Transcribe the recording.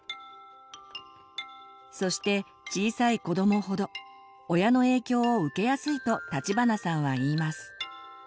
そして小さい子どもほど親の影響を受けやすいと立花さんは言います。